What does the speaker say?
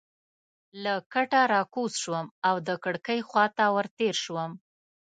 له کټه راکوز شوم او د کړکۍ خوا ته ورتېر شوم.